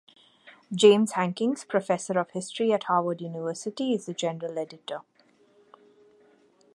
James Hankins, Professor of History at Harvard University, is the General Editor.